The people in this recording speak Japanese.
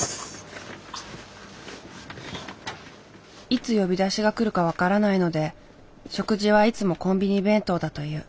いつ呼び出しが来るか分からないので食事はいつもコンビニ弁当だという。